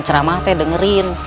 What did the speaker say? cerah mata dengerin